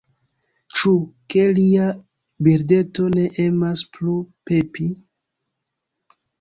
Ĉu, ke lia birdeto ne emas plu pepi?